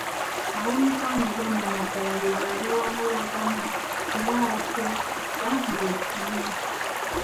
Ab'omukwano ogwannamaddala beebo abawabulagana era abateekisa mu buli kimu.